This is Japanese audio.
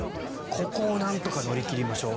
ここをなんとか乗り切りましょう。